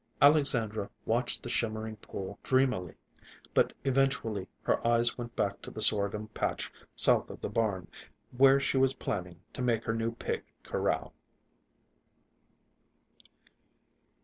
Alexandra watched the shimmering pool dreamily, but eventually her eyes went back to the sorghum patch south of the barn, where she was planning to make her new pig corral.